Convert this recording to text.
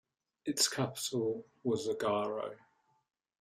Its capital was Agaro.